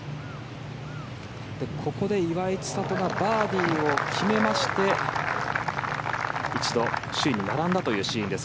ここで岩井千怜がバーディーを決めまして一度、首位に並んだというシーンです。